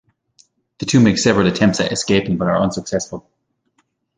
The two make several attempts at escaping but are unsuccessful.